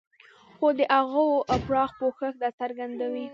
خو د هغو پراخ پوښښ دا څرګندوي.